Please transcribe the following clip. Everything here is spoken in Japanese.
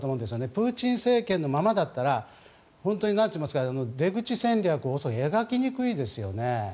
プーチン政権のままだったら本当に出口戦略を描きにくいですよね。